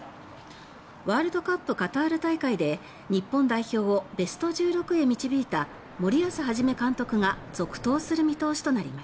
カタール大会で日本代表をベスト１６へ導いた森保一監督が続投する見通しとなりました。